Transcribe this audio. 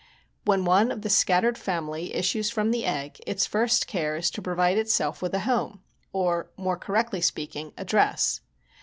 When one of the scattered family issues from the egg its first care is to provide itself with a home, or more correctly speaking, a dress.